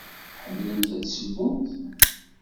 Ḥemmlent ad ssewwent?